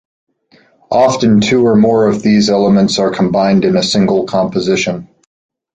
Often two or more of these elements are combined in a single composition.